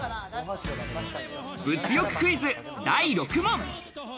物欲クイズ、第６問。